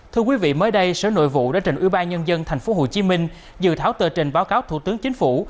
thưa quý vị mới đây sở nội vụ đã trình ưu ba nhân dân tp hcm dự tháo tờ trình báo cáo thủ tướng chính phủ